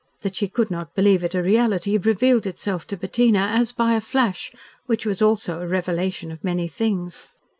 That she could not believe it a reality revealed itself to Bettina, as by a flash, which was also a revelation of many things.